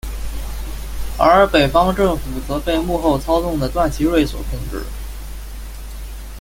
而北方政府则被幕后操纵的段祺瑞所控制。